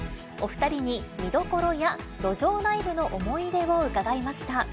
お２人に見どころや路上内部の思い出を伺いました。